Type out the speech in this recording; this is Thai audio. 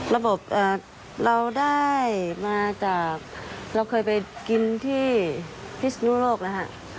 เราพบเราได้มาจากเราเคยไปกินที่พิสมุโรคนะคะ